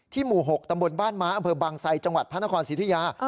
หมู่๖ตำบลบ้านม้าอำเภอบางไซจังหวัดพระนครสิทธิยา